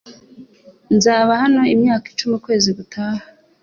Nzaba hano imyaka icumi ukwezi gutaha